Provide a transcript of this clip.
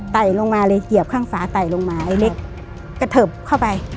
ลงมาเลยเหยียบข้างฝาไต่ลงมาไอ้เล็กกระเทิบเข้าไป